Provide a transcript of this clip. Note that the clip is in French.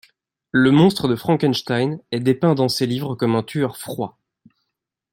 Le monstre de Frankenstein est dépeint dans ces livres comme un tueur froid.